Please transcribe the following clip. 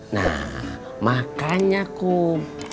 nah makanya kum